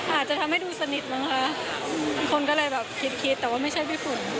อาจจะทำให้ดูสนิทมั้งคะบางคนก็เลยแบบคิดคิดแต่ว่าไม่ใช่พี่ฝน